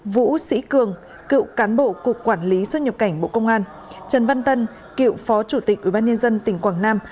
vũ sĩ cường cựu cán bộ cục quản lý xuất nhập cảnh bộ công an trần văn tân cựu phó chủ tịch ủy ban nhân dân tỉnh quảng nam